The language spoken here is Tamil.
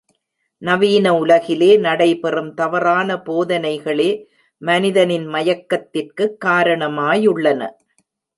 நவீன உலகிலே நடை பெறும் தவறான போதனைகளே மனிதனின் மயக்கத்திற்குக் காரணமாயுள்ளன.